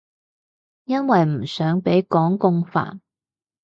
因為唔想畀港共煩